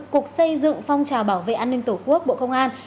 cục xây dựng phong trào bảo vệ an ninh tổ quốc bộ công an